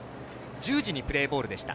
１０時にプレーボールでした。